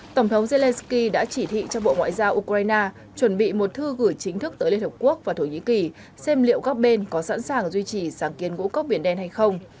tổng thống zelenskyy đã chỉ thị cho bộ ngoại giao ukraine chuẩn bị một thư gửi chính thức tới liên hợp quốc và thổ nhĩ kỳ xem liệu các bên có sẵn sàng duy trì sáng kiến ngũ cốc biển đen hay không